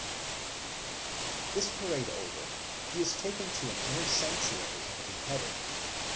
This parade over, he is taken to an inner sanctuary and beheaded.